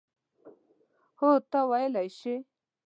هو، ته ویلای شې.